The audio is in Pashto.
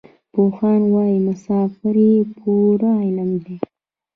پوهان وايي مسافري پوره علم دی.